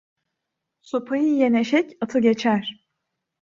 Sopayı yiyen eşek, atı geçer.